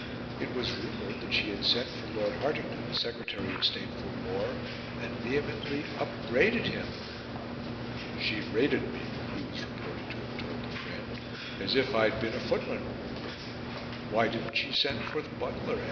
It was rumoured that she had sent for Lord Hartington, the Secretary of State for War, and vehemently upbraided him. "She rated me," he was reported to have told a friend, "as if I'd been a footman." "Why didn't she send for the butler?"